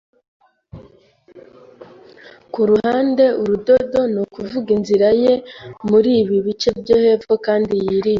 kuruhande, urudodo, nukuvuga, inzira ye muri ibi bice byo hepfo kandi yirinze